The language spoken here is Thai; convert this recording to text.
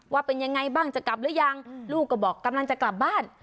ว่าเป็นยังไงบ้างจะกลับหรือยังลูกก็บอกกำลังจะกลับบ้าน